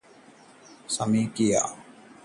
सामी ने पुनर्विवाह किया।